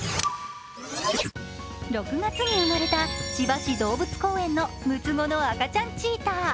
６月に生まれた千葉市動物公園の六つ子の赤ちゃんチーター。